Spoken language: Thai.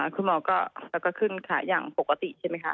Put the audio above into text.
คุณหมอก็ขึ้นขาอย่างปกติใช่ไหมคะ